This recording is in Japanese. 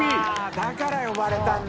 「だから呼ばれたんだ！